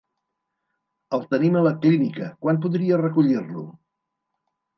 El tenim a la clínica, quan podria recollir-lo?